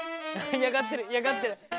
嫌がってる嫌がってる。